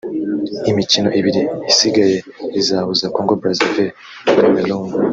Imikino ibiri isigaye izahuza Congo Brazaville na Cameroun